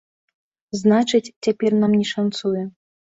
Значыць, цяпер нам не шанцуе.